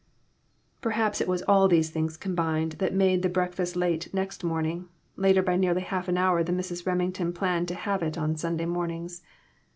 Perhaps it was all these things combined that made the breakfast late next morning later by nearly half an hour than Mrs. Remington planned to have it on Sunday mornings.